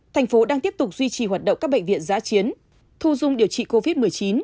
thành phố đang tiếp tục duy trì hoạt động các bệnh viện giá chiến thu dung điều trị covid một mươi chín